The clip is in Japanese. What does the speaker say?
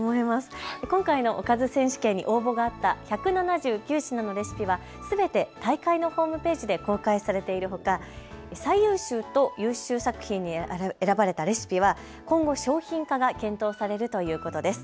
今回のおかず選手権に応募があった１７９品のレシピはすべて大会のホームページで公開されているほか最優秀と優秀作品に選ばれたレシピは今後商品化が検討されるということです。